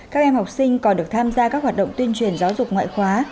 các em học sinh còn được tham gia các hoạt động tuyên truyền giáo dục ngoại khóa